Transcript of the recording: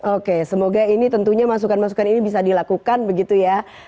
oke semoga ini tentunya masukan masukan ini bisa dilakukan begitu ya